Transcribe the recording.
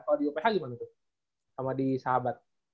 kalau di uph gimana tuh sama di sahabat